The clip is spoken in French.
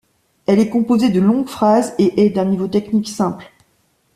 Elle est composée de longues phrases et est d'un niveau technique simple.